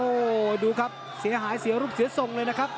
โอ้โหดูครับเสียหายเสียรูปเสียทรงเลยนะครับ